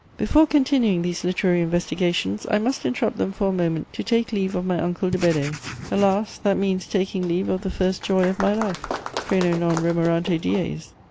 * Before continuing these literary investigations I must interrupt them for a moment to take leave of my uncle de Bedée; alas, that means taking leave of the first joy of my life: freno non remorante dies!